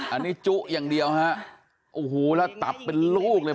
อันนี้จุอย่างเดียวฮะโอ้โหแล้วตับเป็นลูกเลย